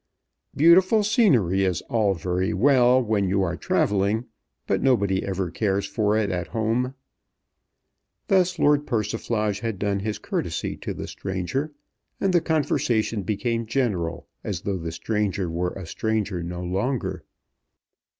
Beautiful scenery is all very well when you are travelling, but nobody ever cares for it at home." Thus Lord Persiflage had done his courtesy to the stranger, and the conversation became general, as though the stranger were a stranger no longer.